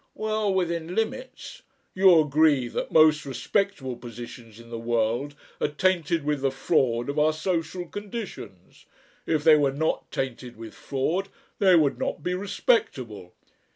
"Well within limits." "You agree that most respectable positions in the world are tainted with the fraud of our social conditions. If they were not tainted with fraud they would not be respectable.